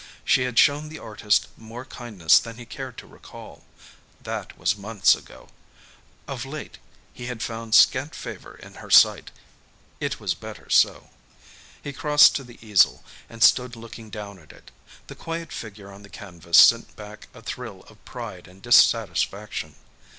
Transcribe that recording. She had shown the artist more kindness than he cared to recall. That was months ago. Of late he had found scant favor in her sight.... It was better so. He crossed to the easel, and stood looking down at it. The quiet figure on the canvas sent back a thrill of pride and dissatisfaction.